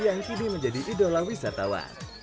yang kini menjadi idola wisatawan